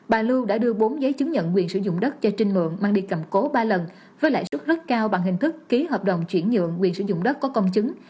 bà lưu đã đưa bốn giấy chứng nhận quyền sử dụng đất cho trinh mượn mang đi cầm cố ba lần với lãi suất rất cao bằng hình thức ký hợp đồng chuyển nhượng quyền sử dụng đất có công chứng